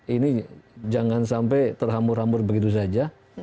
ini jangan sampai terhambur hambur begitu saja